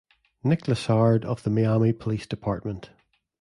Nick Lassard of the Miami Police Department.